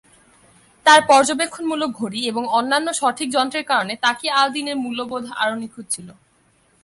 তাঁর পর্যবেক্ষণমূলক ঘড়ি এবং অন্যান্য সঠিক যন্ত্রের কারণে তাকি আল-দীনের মূল্যবোধ আরো নিখুঁত ছিল।